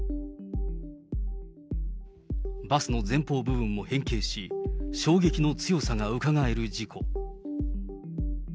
バスの前方部分も変形し、衝撃の強さがうかがえる事故。